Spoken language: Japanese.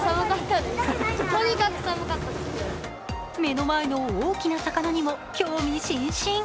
目の前の大きな魚にも興味津々。